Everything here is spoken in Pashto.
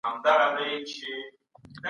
دا هغه اصطلاح ده چي د سکولاستيک په مانا ده.